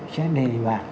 sẽ đề vào